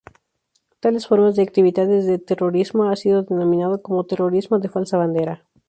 Tales formas de actividades de terrorismo ha sido denominado como "Terrorismo de falsa bandera".